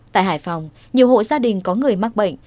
tại hải phòng nhiều hộ gia đình có người mắc bệnh